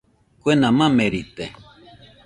Kuena mamerite.